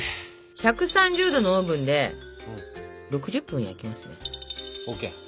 １３０℃のオーブンで６０分焼きますね。ＯＫ！